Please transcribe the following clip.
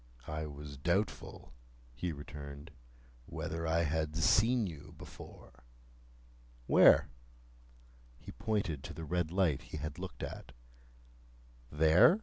"I was doubtful," he returned, "whether I had seen you before." "Where?" He pointed to the red light he had looked at. "There?"